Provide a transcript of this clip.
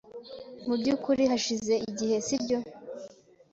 Mu byukuri hashize igihe, sibyo?